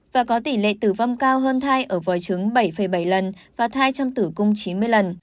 và có tỷ lệ tử vong cao hơn thai ở vòi trứng bảy bảy lần và thai trong tử cung chín mươi lần